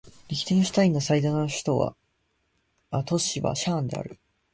リヒテンシュタインの最大都市はシャーンである